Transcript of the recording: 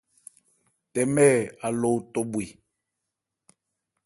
Tɛmɛ̂ Alɔ otɔ bhwe.